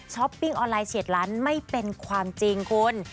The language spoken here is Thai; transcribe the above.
ปิ้งออนไลน์เฉียดล้านไม่เป็นความจริงคุณ